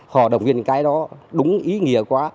họ đồng viên cái đó đúng ý nghĩa quá